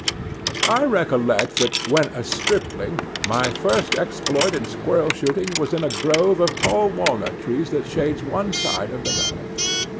I recollect that, when a stripling, my first exploit in squirrel shooting was in a grove of tall walnut trees that shades one side of the valley.